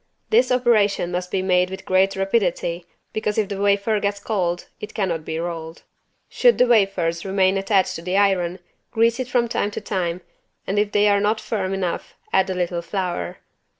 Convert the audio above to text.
This operation must be made with great rapidity because if the wafer gets cold, it cannot be rolled. Should the wafers remain attached to the iron, grease it from time to time, and if they are not firm enough, add a little flour.